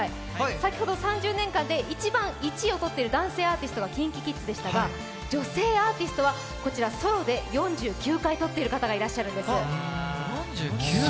先ほど３０年間で一番１位をとっている男性アーティストはＫｉｎＫｉＫｉｄｓでしたが女性アーティストはこちらソロで４９回とっている方がいらっしゃるんです。